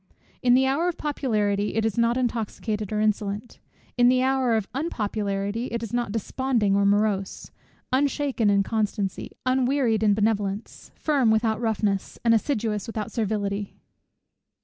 In the hour of popularity it is not intoxicated, or insolent; in the hour of unpopularity, it is not desponding or morose; unshaken in constancy, unwearied in benevolence, firm without roughness, and assiduous without servility.